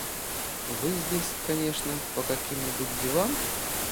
– Вы здесь, конечно, по каким-нибудь делам?